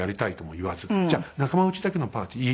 「じゃあ仲間内だけのパーティー？」。